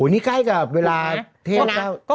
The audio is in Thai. นี่ใกล้กับเวลาเทพเจ้า